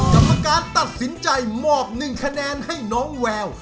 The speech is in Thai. กรรมการตัดสินใจมอบ๑คะแนนให้น้องแวว